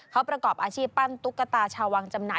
เขาประกอบอาชีพปั้นตุ๊กตาชาววังจำหน่า